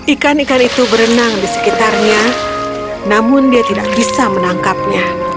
ikan ikan itu berenang di sekitarnya namun dia tidak bisa menangkapnya